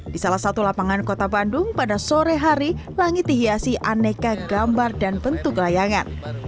di salah satu lapangan kota bandung pada sore hari langit dihiasi aneka gambar dan bentuk layangan